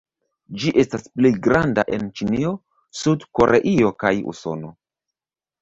Ĝi estas plej granda en Ĉinio, Sud-Koreio kaj Usono.